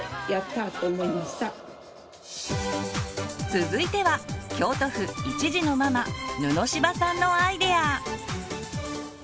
続いては京都府１児のママ布柴さんのアイデア！